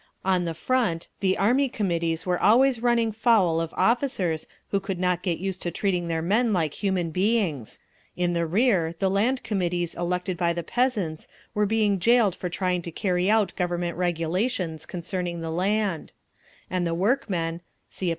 On the front the Army Committees were always running foul of officers who could not get used to treating their men like human beings; in the rear the Land Committees elected by the peasants were being jailed for trying to carry out Government regulations concerning the land; and the workmen (See App.